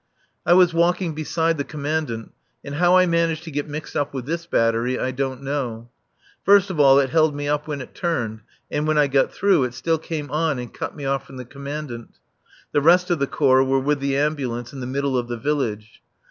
I was walking beside the Commandant, and how I managed to get mixed up with this battery I don't know. First of all it held me up when it turned, then when I got through, it still came on and cut me off from the Commandant. (The rest of the Corps were with the Ambulance in the middle of the village.)